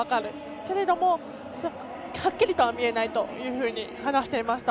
けれども、はっきりとは見えないというふうに話していました。